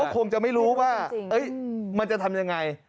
คงจะไม่รู้ว่ามันจะทำยังไง